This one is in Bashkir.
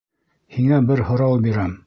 Һиңә бер һорау бирәм.